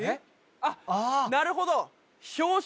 あっなるほど！